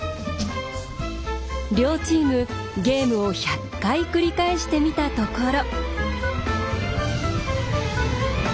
両チームゲームを１００回繰り返してみたところ。